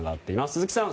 鈴木さん